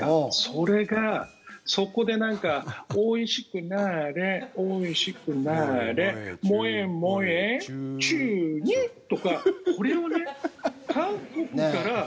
それが、そこでなんかおいしくなーれ、おいしくなーれ萌え萌えキュン！とかこれをね、韓国から。